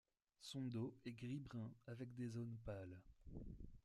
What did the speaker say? Son dos est gris-brun avec des zones pâles.